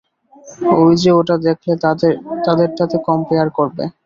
ঐ যে ওটা দেখলে তাদেরটাতে কম্পেয়ার করবে।